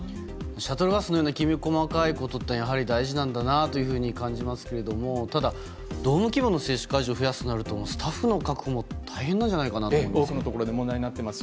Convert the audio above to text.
シャトルバスのようなきめ細かいことって大事なんだなと感じますけどただ、この規模の接種会場を増やすとなるとスタッフの確保も大変なんじゃないかと思います。